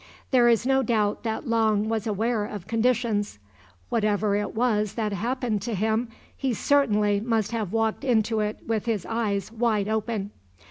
There is no doubt that Long was aware of conditions. Whatever it was that happened to him he certainly must have walked into it with his eyes wide open.